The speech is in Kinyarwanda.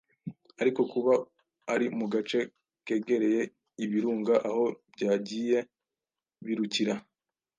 ariko kuba ari mu gace kegereye iburunga aho byagiye birukira.